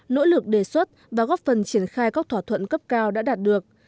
nỗ lực đề xuất và góp phần triển khai các thỏa thuận cấp cao đã đạt được